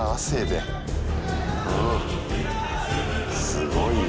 すごいね。